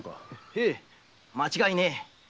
へい間違いねえ。